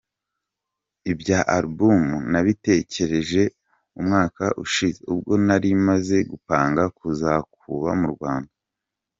"Ibya Alibumu nabitekereje umwaka ushize ubwo nari maze gupanga kuza kuba mu Rwanda.